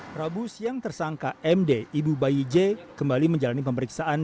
prabu siang tersangka md ibu bayi j kembali menjalani pemeriksaan